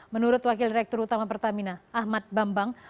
menurut wakil direktur utama pertamina ahmad bambang